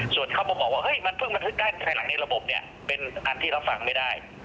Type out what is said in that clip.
ส่วนเขาบอกว่าเฮ้ยมันเพิ่งมาทึกได้ในระบบเป็นอันที่เราฟังไม่ได้